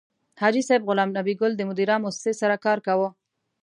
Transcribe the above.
حاجي صیب غلام نبي ګل د مدیرا موسسې سره کار کاوه.